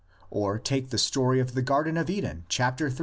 — Or take the story of the Garden of Eden, chap, iii.